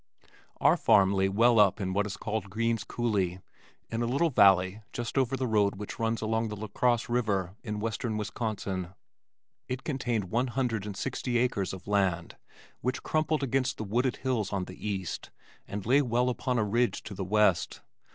Our farm lay well up in what is called Green's coulee, in a little valley just over the road which runs along the LaCrosse river in western Wisconsin. It contained one hundred and sixty acres of land which crumpled against the wooded hills on the east and lay well upon a ridge to the west.